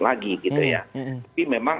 lagi gitu ya tapi memang